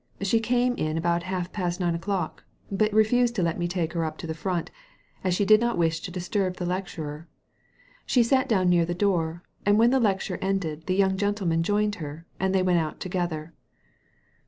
She came in about half past nine o'clock, but refused to let me take her up to the front, as she did not wish to disturb the lecturer. She sat down near the door, and when the lecture ended the young gentleman joined her, and they went out together."